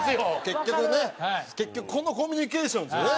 結局ね結局このコミュニケーションですよね。